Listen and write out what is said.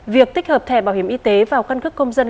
việc tích hợp thẻ bảo hiểm y tế vào căn cước công dân